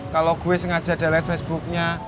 kalau gue sengaja delete facebooknya